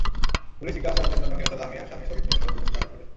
Police জিজ্ঞাসাবাদের জন্য নিহত লামিয়ার স্বামী শরীফ মিয়াসহ দুজনকে আটক করেছে।